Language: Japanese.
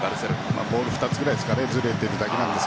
ボール２つぐらいですかねずれているのが。